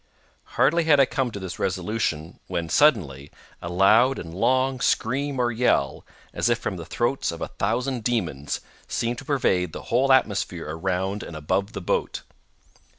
Hardly had I come to this resolution, when, suddenly, a loud and long scream or yell, as if from the throats of a thousand demons, seemed to pervade the whole atmosphere around and above the boat.